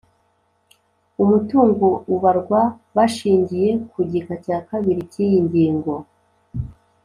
Umutungo ubarwa bashingiye ku gika cya kabiri cy ‘yi ngingo